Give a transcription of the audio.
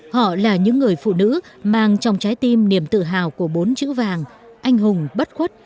họ là những người phụ nữ mang trong trái tim niềm tự hào của bốn chữ vàng anh hùng bất khuất